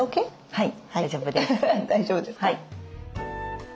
はい。